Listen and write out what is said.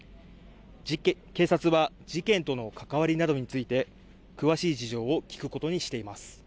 警察は事件との関わりなどについて詳しい事情を聞くことにしています。